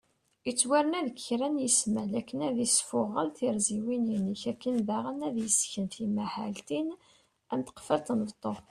Ittwarna deg kra n ismal akken ad isfuγel tirziwin inek , akken daγen ad d-yesken timahaltin am tqefalt n beṭṭu